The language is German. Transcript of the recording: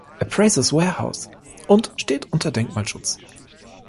Appraiser’s Warehouse und steht unter Denkmalschutz.